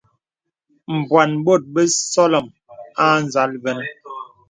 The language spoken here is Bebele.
Mbwàn bòt basɔlɔ̀m a nzàl vənə.